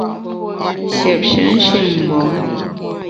Siépshe nshin-mgbom !